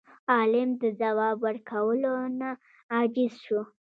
عالم د ځواب ورکولو نه عاجز شو.